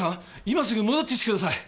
今すぐ戻ってきてください。